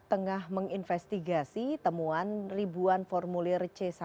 tengah menginvestigasi temuan ribuan formulir c satu